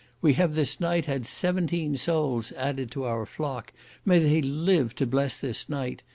We have this night had seventeen souls added to our flock. May they live to bless this night!